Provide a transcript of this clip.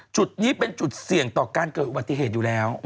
จุดนี้เป็นจุดเสี่ยงต่อการเกิดอุบัติเหตุอยู่แล้ว